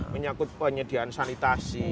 menyangkut penyediaan sanitasi